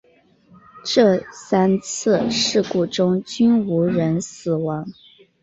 这三次事故中均无人死亡。